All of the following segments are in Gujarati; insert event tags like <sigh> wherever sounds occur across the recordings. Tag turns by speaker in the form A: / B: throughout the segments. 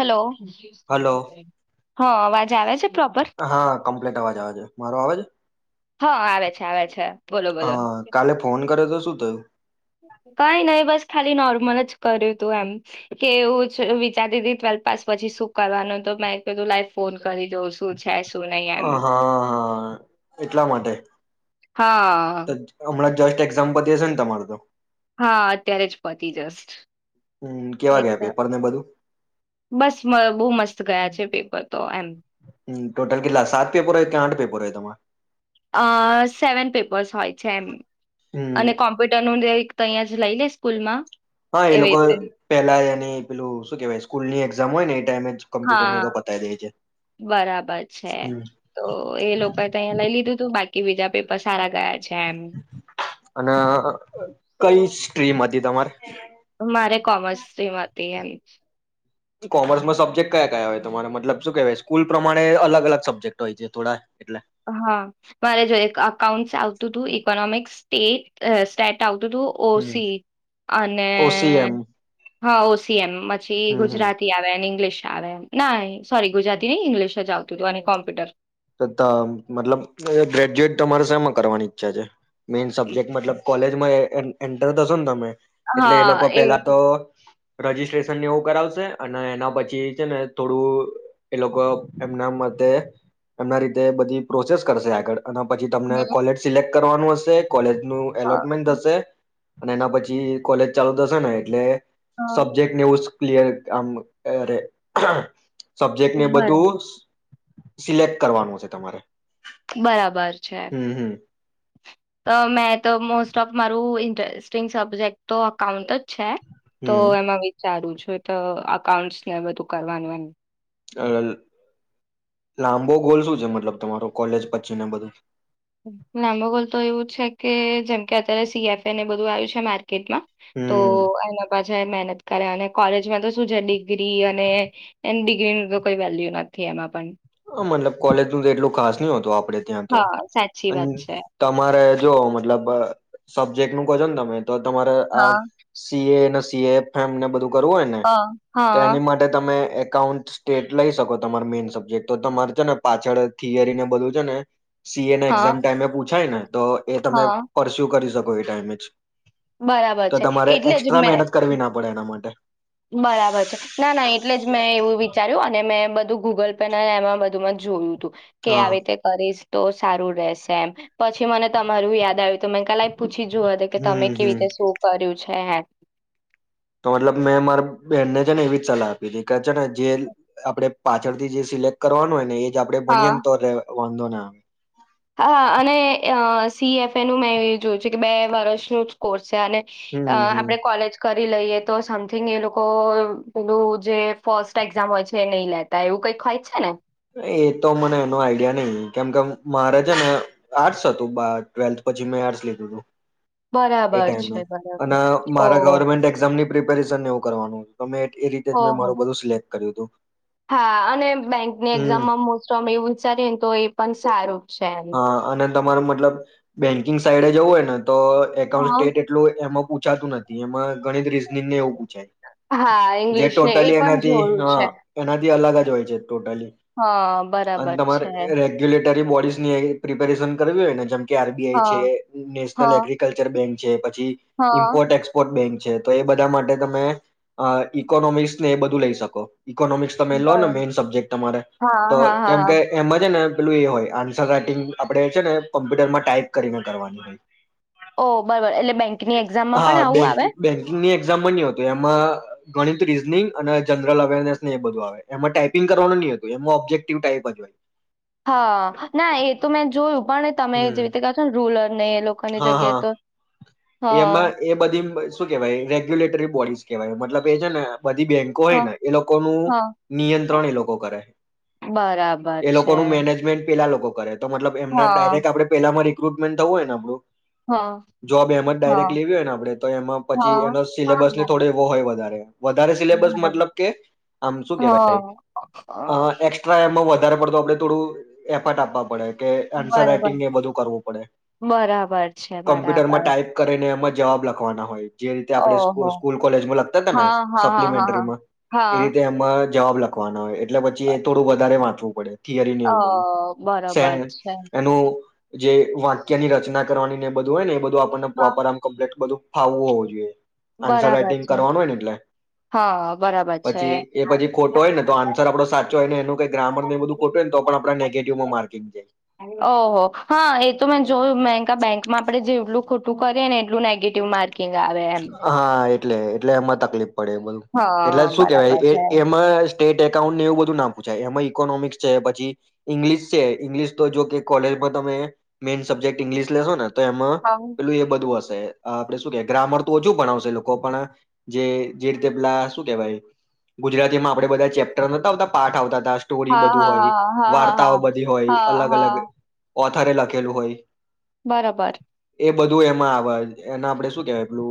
A: હલો.
B: હલો
A: હા અવાજ આવે છે પ્રોપર
B: હા કમ્પ્લીટ અવાજ આવે છે. મારો આવે છે?
A: હા આવે છે-આવે છે. બોલો બોલો
B: હા કાલે ફોન કર્યો તો શું થયું?
A: કઈ નઈ બસ ખાલી નોર્મલ જ કર્યું તું એમ, કે હુચ વિચારીતી ટ્વેલ્થ પાસ પછી શું કરવાનું, તો મેં કીધું લાઈ ફોન કરી દઉં શું છે, શુ
B: હા હા એટલા માટે
A: હા
B: હમણાં. જસ્ટ એક્ઝામ્પલ દ છે ને તમાર તો.
A: હા અત્યારે જ પતી જસ્ટ.
B: હમ
A: એ
B: કેવા ગયા પેપર ને બધું
A: બસ બહુ મસ્ત ગયા છે. પેપર તો એમ.
B: હ ટોટલ કેટલા સાત પેપર હોય કે આઠ પેપર હોય તમારે.
A: અ સેવન પેપર્સ હોય છે એમ.
B: હમ
A: અને કોમ્પ્યુટર નું એક. તહીં જ લઈ લે સ્કૂલ માં.
B: હા એ લોકો પેલા એની પેલું શું કેવાય સ્કૂલ ની એક્ઝામ હોય ને. એ ટાઈમે જ કોમ્પ્યુટરનું
A: હા
B: તો પતાવી દે છે
A: બરાબર છે
B: હમ
A: તો એ લોકોએ તો અહીંયા લઈ લીધું તું બાકી. કે બીજા પેપર સારા ગયા. છે એમ.
B: અને કઈ. ટ્રીમ મધ્ય તમામર.
A: તે એમ.
B: કોમર્સમાં સબ્જેક્ટ કયા કયા હોય તમારે મતલબ શું કેહેવાય સ્કૂલ પ્રમાણે અલ અલગ સબ્જે્ટ હોય છે થોડા એટલે.
A: હા મારે જો એક અકાઉન્ટસ આવતું હતું ઇકોનોમિક્સ સ્ટ સ્ટેટ આવતું. ું
B: હમ
A: ઓસી અને
B: ઓસીએમ
A: હા ઓસી એમ પછી
B: હમ હમ
A: ગુજરાતી આવે ઇંગ્લિશ. એ ના સોરી ગુજરાતી ન ઇંગ્લિ જ આવતું હતું અને કોમ્પ્યુટર.
B: મતલબ ગ્રેજ્યુએટ તમારે શમાં કરવાની ઈચ્છા છે. મેન સબ્ેક્ટ મતલબ કોલેજ. એન્ટર થશો ને તમે. એટલે એ લોકો પેલા તો. રજીિસ્ટ્રેશન એવું કરાવશે અને એના પછી છે ને થોડું એ લોકો એમના મતે એમના રીતે બધી પ્રોસેસ કરશે આગળ. અને પછી તમને કોલેજ સિલેક કરવાનું હશે કોલેજ નું એલોટમેન્ટ હશે. અને એના પછી કોલેજ ચાલુ થશે ને એટલે સબ્જેક્ટ ને પ્લીયર આમરે સબ્જેક્ટ ને
A: હ
B: બધું સિલેક્ટ કરવાનો છે તમારે.
A: બરાબર છે.
B: હમ હમ
A: સ્ટિંગ સબ્જેક્ટ તો અકાઉન્ટ જ છે તો
B: હમ
A: એમાં વિચારું છું. જો તો અકાઉન્ટને બધું કરવાનું.
B: અ લાંબો ગોલ શું છે. મતલબ તમારો કોલેજ પછી ને બધું?
A: લાંબો ગોલ તો એવું છે, કે જેમકે અત્યારે સીએફએને બધું આવ્યું છે. માર્ટ તો
B: હમ
A: એના મહેનત કરે અને કોલેજમાં તો શું છે, ડિગ્રી અને એ ડિગ્રી ન તો કોઈ વેલ્યુ નથી, એમાં પણ
B: હ મતલબ કોલેજ ન, તો એટલું ખાસ ન હતુ આપ આપડે, ત્યાં તો
A: હા સાચી વાત છે.
B: તમારે જો મતલબ સબ્જેક્ટ નુ કહજો, ને તમે તો તમારે, આ
A: હા
B: સીએ સીએફમ, બધું કરવું હોય, ને
A: હ
B: તો
A: હા
B: એની માટે તમે એકાઉન્ટ્ટેટ લઈ, શકો તમારે મેઈન સબ્જેક્ટ તો તમારે છેને, પાછળ થિયરી ને બધું છેને સી એ, ના
A: હા
B: એક્ઝામ ટાઈમે પૂછાય ને તો એ તમે
A: હા
B: પરસ્યુ કરી, શકો કોઈ, ટાઈમચ
A: બરાબર
B: તો
A: છે
B: તમારે
A: એટલે જ
B: એક્સ્ટ્રા
A: મેં
B: મહેનત કરવી, ના પડે એના માટે
A: બરાબર છે, ના, ના એટલે જ મેં એવુ, વિચાર્યું અને મેં બધું ગૂગલ પે ને એમા બધુંમા જ જોયુ. કે
B: હા
A: આવી, રતે કરીશ તો સારુ રશે, એમ પછી, મને તમારુ યાદ આવ્યું તો મે કાલા પછી જુ, કે તમે
B: હમ
A: કેવી
B: હમ
A: રીતે શું કર્યું છે, હે.
B: તો મતલબ મેં મારા બેનને છેને, એવી જ સલાહ આપી હતી. કચ, જે આપડે. પાછળ થી જે સિલેક્ટ કરવાનુ હોય, ને એ આપડે,
A: હા
B: ભણયંતર વંધોને
A: હા અને અ સીએફે એ નું મેં એ જોયું છે કે બે વર્ષ ન જ કોર્સ. છે અને
B: હમ
A: આપડે
B: હમ
A: કોલેજ કર કરી લઈએ તો સમથીિંગ એ લોકો પેલું જે ફર્સ્ટ એક્ઝામ હોય છે એ નહી લેતા એવું કઈક હોય છે ને.
B: એ તો મને એનો આઈડિયા નહી કેમ કે મારે છે ને આર્ટસ હતું ટ્વેલ્થ પછી મેં આર્ટસ લીધું હતું. એ
A: બરાબર
B: ટાઈમે
A: છે બરાબર
B: અને મારા
A: ઓહ
B: ગવર્મેન્ટ એક્ઝામની પ્રિપેરેશન એવું કરવાનું. તો મે એ રીતે જ મેં
A: ઓહ
B: મારું બધું સ્લેટ કર્યું હતું.
A: હા અને બેંકની
B: હમ
A: એક્ઝામમાં મોસ્ટોમ એવું વિચારીએ ને તો એ પણ સારું. જ છે એમ
B: હા, અને તમાર મતલબ બેંકિંગ સાઈડે જવું હોયન તો એકાઉન્ટ
A: હા
B: સ્ટેટ એટલું એમાં પૂછાતું નથી. એમાં ગણિત રીઝનિંગ ને એવું પૂછાય.
A: હા
B: જે
A: ઇંગ્લિશ ને એ
B: ટોટલી
A: પણ
B: એનાથી
A: જોયું છે
B: હન એનાથી અલગ જોય છે. ટોટલી
A: હા
B: અને
A: બરાબર
B: તમારે
A: છે
B: રેગ્યુલેટ ટરી બોડિઝ ની પ્રિપરેશન કરવી હોય ને જેમ કે આરબીઆઈ છે,
A: હા
B: નેશનલ
A: હા
B: એગ્રીિકલ્ચર બેંક છે પ છી
A: હા
B: મ્પોર્ટ એક્સપોર્ટ બેંક છે. તો એ બધા માટે તમે અ ઇકોનોમિક્સ ને એ બધું લઈ શકો. ઈકોનોમિક્સ તમે લો ને
A: બરોબર
B: મેઈન સબ્જેક્ટ તમારે
A: હા
B: તો
A: હા હા
B: કેમ કે
A: હા.
B: એમાં છે ને પેલું એ હોય આ છ રાઈટિંગ આપણે છે ને કોમ્પ્યુટરમાં ટાઈપ કરીને કરવાની હોય.
A: ઓ બરોબર એટલે બેંકની એક્ઝામમાં
B: હા,
A: પણ આવું આવે
B: બેન્કિંગ-બેંકિંગની એક્ઝામ ની હોતું એમાં ગણિત રીઝનિંગ અને જનરલ અવેરનેસ ને એ બધું આવે એમાં ટાઈપિંગ કરવાનું ની હોતું એમાં ઓબ્જેક્ટિવ ટાઈપ જ હોય.
A: હા, ના એ તો મેં જોયું પણ તમે
B: હમ
A: જેવી રીતે કો છો ને રૂલર ને એ લોકોની
B: હા.
A: જગ્યાએ
B: હા.
A: તો
B: એમાં
A: હા
B: એ બધીમ શું કેહેવાય રેગ્યુલેટરી બોડીઝ કેહેવાય મતલબ એ છે ને બધી બેંકો
A: હા
B: હોયને એ લોકોનું
A: હા
B: નિયંત્રણ એ લોકો કરે
A: બરાબર
B: એ
A: છે
B: લોકોનું મેનેજમેન્ટ પેલા લોકો કરે. તો મતલબ એમને
A: હા
B: ડાયરેક્ટ આપણે પેલા મળી <unintelligible> થવુ હોયન
A: હા
B: જોબ એમ જ
A: હા
B: ડાયરેક્ટ લેવી હોયને આપડે તો એમાં
A: હા
B: પછી એનો
A: હા
B: સિલેબસને થોડો એવો હોય વધારે. વધારે સિલેબસ
A: બરાબર
B: મતલબ કે આમ શું કેવાય
A: હા
B: અ
A: હા.
B: એક્સ્ટ્રા એમાં વધારે પડતો આપડે થોડું એફટ આપવા પડે. કે આન્સર
A: બરાબર
B: રાઈટિંગને એ બધું કરવું પડે.
A: બરાબર છે
B: કમ્પ્યુટરમાં
A: બરાબર
B: ટાઈપ કરીને એ જવાબ લખવાના હોય. જે રીતે આપણે
A: ઓહો
B: સ્કૂલ-સ્કૂલ કોલેજમાં લખતા હતા ને
A: હા હા હા હા હા.
B: સપ્લિમેન્ટરીમાં, ઈ
A: હા
B: રીતે એમાં જવાબ લખવાના હોય એ ટલે પછી એ થોડુંક વધારે વાંચવું પડે. થિયરીને
A: અ
B: એવું બધું. સે
A: બરોબર છે.
B: એનું જે વાક્યાની ર ચના કરવાનીને બધું હોય ને એ બધ ધું આપણને
A: હા
B: પ્રોપર આમ કોમ્પલેટ બધું ફાવવું હોવું જોઈએ. આન્સર
A: બરાબર
B: રાઈટિંગ
A: છે
B: કરવાનું હોય ને એટલે,
A: હા બરાબર છે.
B: પછી એ પછી ખોટો હોય ને તો આન્સર આપડો સા જો એને એનું કાઈ ગ્રામરને એ બધું ખોટું હોયને તો પણ આપણા નેગેટિવમાં માર્કિંગ જાય.
A: ઓહો હા એ તો મેં જોયું મેંકા બેંકમાં આપડે જેટલું ખોટું કરેને એટલું નેગેટિવ માર્ક કિંગ આવેે એમ.
B: એટલે-એટલે એમાં તકલીફ પડે <unintelligible> એટલે
A: હા
B: શું કેવાય
A: બરાબર છે.
B: એ એમાં મારસ ટેટ એકાઉન્ટને એવું બધું ના પૂછાય, એમાં ઈકોનોમિક્સ છે, પછી ઈંગ્લિશ છે, ઇંગ્લિશ તો જો કે કોલેજમાં તમે મેઈન સબ્જેક્ટ ઈંગ્લિશ લેશો ને તો એમાં
A: હા
B: પેલું એ બધું હશે. આપણે શું કેઈ ગ્રામર ઓછું ભણાવશે એ લોકો પણ, જે-જે રીતે પેલા શું કેવાય ગુજરાતીમાં આપણે બધા ચેપ્ટર નોતા આવતા પાઠ આવતા આ સ્ટોરી
A: હા
B: બધું
A: હા
B: હોય,
A: હા હા હા હા
B: વાર્તાઓ બધી હોય
A: હા
B: અલગ-અલગ
A: હા
B: ઓથારે લખેલું હોય.
A: બરાબર.
B: એ બધું એમાં આવા એના આપડે શું કેવાય પેલું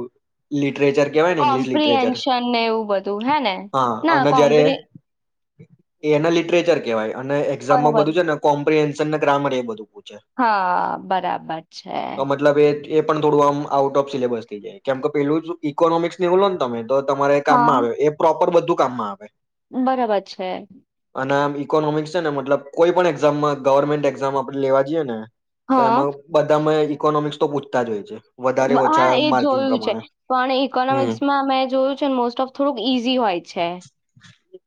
B: લિટ ટ્રેજર કવાય ને ઇલિટરેજર,
A: કોમ્પ્રિહેન્શન ને એવું બધું હે ને
B: હા
A: ના
B: અને જ્યારે
A: કોમ્પ્રિ
B: એના લિટરેચર કેવાય અને માં છે ને
A: બરોબર
B: બધું કો પ્રિએશન ને ગ્રામર એ બધું. પૂછે
A: હા બરાબર છે.
B: તો મતલબ એ એ પણ થોડું આમ આઉટ ઓફ સિલેબસ થઇ જાય. કેમ કે પેલું જ ઇકોનોમિક્સ નેવલો ને તમે. તો તમારે કામમાં
A: હા
B: આવે, એ પરોપ ર બધું કામમાં આવે.
A: બરાબર છે.
B: અને આમ ઈકોનોમિક્સ છે ને મતલબ કોઈ પણ એક્ઝામમાં ગવર્મેન્ટ એક્ઝામ આપડે લેવા જઈએ ને તો
A: હા
B: એમાં બધામાં એની ઇનોમિક્ તો પૂછતા જ હોય છે. વધારે ઓછા મા.
A: ઈકોનોમિક્સમાં મે જોયું છે મોસ્ટ ઓફ થોડુંક ઈઝી હોય છે.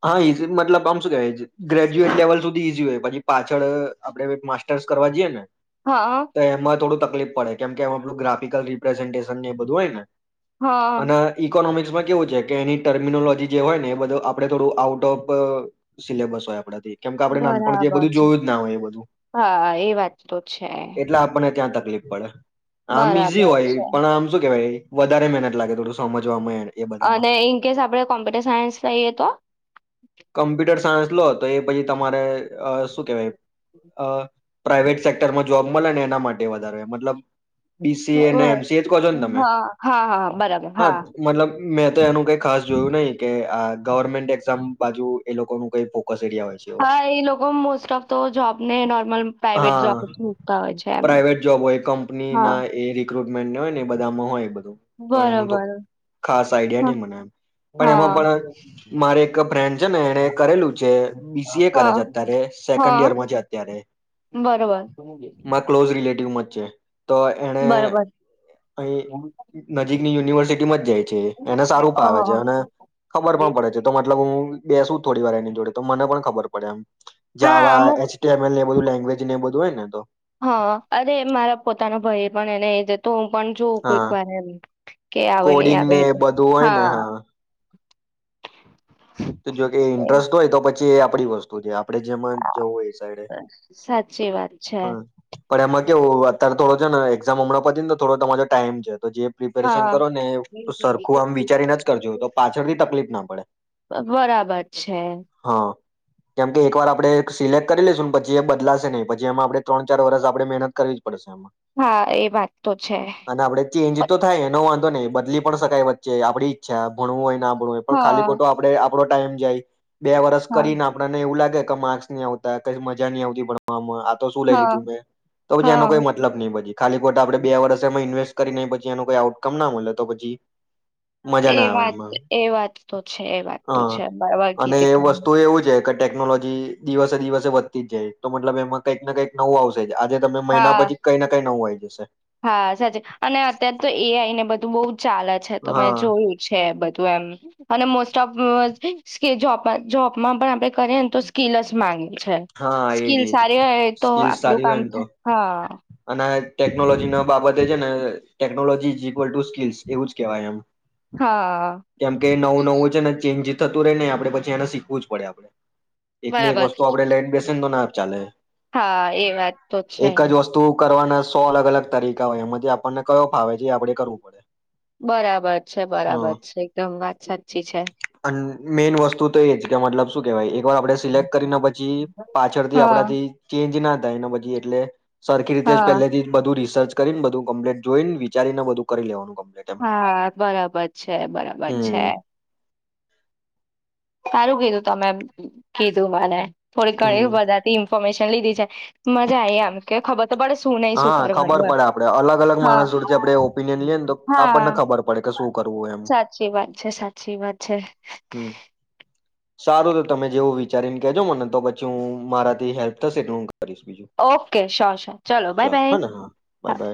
B: હા ઈઝી મતલબ આમ શું કેવાય ગ્રેજ્યુએટ લેવલ સુધી ઈઝી હોય પછી પાછળ આપડે માસ્ટર્સ કરવા જઈએ ને.
A: હા
B: તો એમાં થોડું તક. તકલીફ પેડે કેમ કે એમ આપણું ગ્રાિકલ રિપ્રેઝેન્ટેશન બધું હોય ને.
A: હા
B: અને ઇકોનોમિક. એમાં કેવું છે કે એની ટર્મિનોલોજી જે હોય ને એ બધું આપડે થોડું આઉટ ઓફ સિલેબસ હોય આપડા થી કેમ કે આપણે નાનપણથી એ
A: બરાબર
B: બધું
A: છે
B: જોયું જ ના હોય એ બધું
A: હા એ વાત તો છે
B: એટલા આપણને ત્યાં તકલીફ. પડે. આમ ઈઝી
A: બરાબર
B: હોય
A: છે
B: પણ આમ. વધારે મહેનત લાગે થોડું સમજવાવામાં એને.
A: અને ઇનકેસ આપડે કોમ્પ્યુટર સાયન્સ લઈએ તો.
B: કમ્પ્યુટર સાયન્સ તો એ પછી તમારે અ શું કેવાય અ પ્રાઈવેટ સેક્ટરમાં જોબ મળે ને એના માટે વધારે મતલબ. બીસીએ અને
A: હ,
B: એમસી એ જ કહ છો ને તમે
A: હા હા હા બરાબર
B: હા મતલબ મેં તો એનું કઈ ખાસ જોયું નહી કે આ. Government exam. બાજુ એ લોકો નું કઈ ફોકસ એરિયા હોય છે એવો
A: હા એ લોકો મોસ્ટ ઓફ તો જોબને નોર્મલ પ્રાઈવેટ જોબ
B: હા
A: મૂકતા હોય છે એમ
B: પ્રાઇવેટ જોબ હોય કંપની
A: હા.
B: ના <unintelligible> હોય ને બધામાં હોય એ તો
A: બરોબર
B: ખાસ આઈડિયા
A: હા
B: નહી મને એમ પણ એમાં
A: હા
B: પણ મારે એક. ફ્રેન્ડ છે ને એને કરેલું છે બીસી એ કરે
A: હા
B: છે અત્યારે સેકન્ડ
A: હા
B: યર માં છે અત્યારે
A: બરોબર
B: મારા ક્લોઝ રિલેટિવમાં છે તો એને
A: બરોબર
B: અહી નજીકની યુનિવર્સિટીમાં જાય છે એને સારું ફાવે છે
A: હા
B: અને ખબર પણ પડે છે તો મતલબ હું બે શું થોડી વાર એની જોડે તો મને પણ ખબર પડે એમ
A: હા
B: જવા
A: અમુક
B: એસ ટી એમ એ બધું લેંગ્વેજ ને બધું હોય ને તો
A: હા અરે મારા પોતાના ભાઈ પણ એને એ જતો પણ જોવ કોઈક
B: હા
A: વાર એમ કે આવે નહી
B: કોડિંગ
A: આવે
B: ને
A: તો
B: બધું હોય ને
A: હા
B: જોકે
A: એ
B: ઇન્ટરેસ્ટ હોય તો પછી એ આપણી વસ્તુ છે આપડે જેમાં જવું એ સાઈડે
A: સાચી વાત છે
B: હમ્મ પણ એમાં કેવું હવે અત્યારે થોડો છે ને એક્ઝામ હમણાં પતીને થોડો તમારો ટાઈમ છે. તો જે પ્રિપેરેશન
A: હા
B: કરો ને સરખું આમ વિચારીને જ કરજો તો પાછળથી તકલીફ ના પડે.
A: બરાબર છે.
B: હા કેમ કે એકવાર આપડે સિલેક્ટ કરી લેશું પછી એ બદલાશે નહી પછી એમાં આપણે ત્રણ ચાર વરષ આપણે મહેનત કરવી જ પડશે એમાં
A: હા એ વાત તો છે.
B: અને આપડે ચેન્જ તો થાય એનો વાંધો નઈ બદલી પણ શકાય વચ્ચે આપડી ઈચ્છા ભણવું હોય ના હોય પણ ખાલી
A: હા
B: ખોટો આપણે આપડો ટાઈમ જાય. બે વરસ
A: હા
B: કરીને આપણને એવું લાગે માર્ક્સ નય આવતા કઈ મજા નય આવતી ભણવામાં આ તો શું લઈ
A: હા
B: લીધું મેં તો પછી એનો કોઈ
A: હા
B: મતલબ નય પછી. ખાલી ખોટા આપડે બે વર્ષ એમાં ઇન્વેસ્ટ કરીને પછી એનું કોઈ આઉટકમ ના મળે તો પછી મજા
A: એ
B: ના આવે
A: વાત
B: એમાં
A: એ વાત તો છે એ વાત. તો છે બરાબર
B: હા અને
A: કીધી તમે
B: વસ્તુ એવું જ કે ટેકનોલોજી દિવસે દિવસે વધતી જ જાય તો મતલબ એમાં કંઈક ને કંઈક નવું આવશે. આજે તમે મહિના
A: હા
B: પછી કઈને કઈ નવું હોય. જોશે.
A: હા સાચે અને અત્યારે તો એ આઈ ને બધું તો બવ ચાલે છે તો મેં
B: હા
A: જોયું છે બધું એમ અને મોસ જોબમાં પણ આપડે કરીએ ને તો સ્કીલ જ માંગે છે.
B: હા એજ
A: સ્કીલ
B: એજ
A: સારી હોય તો
B: સ્કીલ
A: આપડું
B: સારી હોય
A: કામ
B: ને તો
A: થાય હા.
B: અને ટેકનોલોજી ના બાબતે છે ને ટેકનોલોજી જી ઇક્વલ ટુ સ્કીલ્સ એવું જ કહેવાય એમ.
A: હા
B: કેમ કે નવું નવું છે ને ચેન્જ થતું રહીને આપણે પછી એને શીખવું જ પડે આપડે. એકનું એક
A: બરાબર
B: વસ્તુ આપડે લ ધંધો ના જ ચાલે.
A: હા એ વાત તો છે.
B: એક જ વસ્તુ કરવાના સો અલગ અલગ તરીકા હોય એમાં જે આપણને કયો ફાવે જે આપડે કરવું પડે.
A: બરાબર છે
B: હ
A: બરાબર છે એકદમ વાત સાચી છે.
B: અન મેઈન વસ્તુ તો એ જ કે મતલબ શું કેહેવાય એ આપડે સિલેક્ટ કરીને પછી પાછળથી
A: હા
B: આપડાથી ચેન્જ ના ગાય ન બઘી એટલે સરખી રીતે જ
A: હા
B: પેલેથી જ બધું રી સર્ચ કરી ન બધું કમ્પ્લીટ જોઈ ન વિચારીને બધું કરી લેવાનું કમ
A: હા, બરાબર છે. બરાબર છે.
B: હમ
A: સારું કીધું તમે, કીધું મને. થોડી ઘણી
B: હમ
A: બધા તી ઈન ફર્મેશન લીધી છે. મજા આઈ આમ કે ખબર તો પળે શું નય, શું
B: હા ખબર
A: કરવાનું એમ.
B: પડે આપડે અલગ અલગ
A: હા,
B: માણસ જોડથી આપડે ઓપિનિયન લઈએ ને તો આપણને
A: હા
B: ખબર પડે કે શું કરવું એમ
A: સાચી વાત છે. સાચી વાત છે.
B: હમ સારું તો તમે જેવું વિચારી ન કેજો મને. તો પછી હું મારા થી હેલ્પ થશે એટલ હૂં
A: ઓકે, સ્યોર શર. ચાલો બાય,
B: ચાલ
A: બાય,
B: હ ને હા બાય
A: હા.
B: બાય